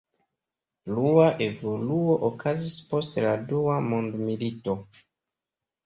Plua evoluo okazis post la dua mondmilito.